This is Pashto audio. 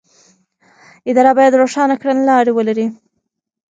اداره باید روښانه کړنلارې ولري.